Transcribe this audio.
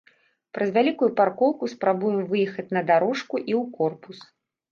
Праз вялікую паркоўку спрабуем выехаць на дарожку і ў корпус.